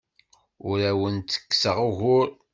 Ur awen-ttekkseɣ ugur.